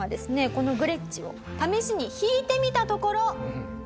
このグレッチを試しに弾いてみたところ。